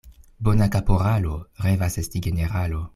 Bona kaporalo revas esti generalo.